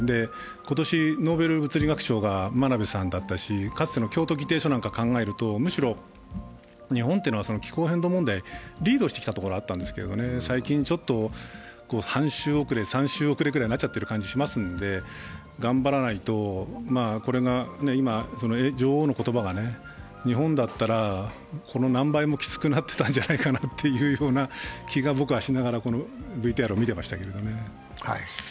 今年、ノーベル物理学賞が真鍋さんだったし、かつての京都議定書なんかを考えると、むしろ日本は気候変動問題をリードしてきたところがあったんですが最近ちょっと半周遅れ３周遅れになっちゃっている感じがしますから頑張らないと、女王の言葉が日本だったら、この何倍もきつくなってたんじゃないかなという気が僕はしながら、このＶＴＲを見てました。